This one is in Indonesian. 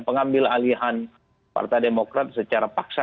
pengambil alihan partai demokrat secara paksa